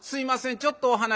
ちょっとお話を」。